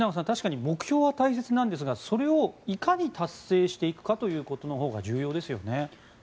確かに目標は大切なんですがそれをいかに達成していくかということのほうが重要ですよね。